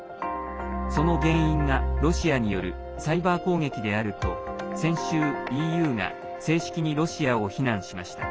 その原因が、ロシアによるサイバー攻撃であると先週ＥＵが正式にロシアを非難しました。